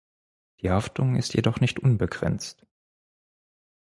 Die Haftung ist jedoch nicht unbegrenzt.